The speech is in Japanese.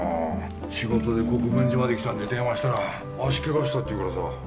仕事で国分寺まで来たんで電話したら足ケガしたって言うからさ。